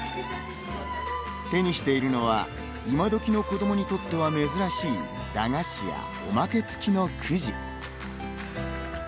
手にしているのは今どきの子どもにとっては珍しい駄菓子やおまけ付きのくじ。